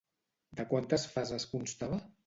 De quantes fases constava?